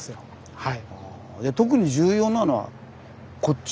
はい。